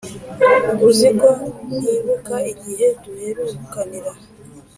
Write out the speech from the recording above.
uziko ntibuka igihe duherukanira